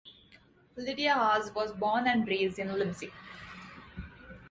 Lydia Haase was born and raised in Leipzig.